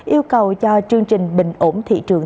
yêu cầu cho chương trình bình ổn thị trường